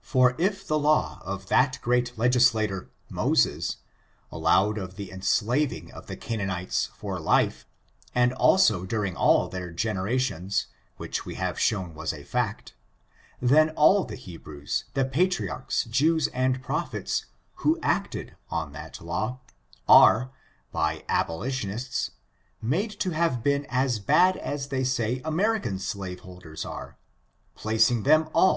For if the law of that great legislator, Moses, allow ed of the enslaving of the Canaanites for life^ and also during all their generations — which we have shown was a fact — then all the Hebrews, the patri archs, Jews and prophets, who acted on that law, are, by abolitionists, made to have been as bad as tjiey say American slaveholders are^ placing them all in